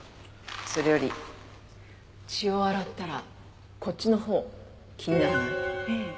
それより血を洗ったらこっちのほう気にならない？ええ。